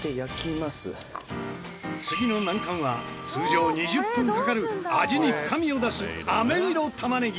次の難関は通常２０分かかる味に深みを出す飴色玉ねぎ。